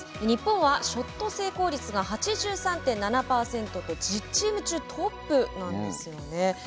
日本はショット成功率が８３．７％と１０チーム中トップなんですよね。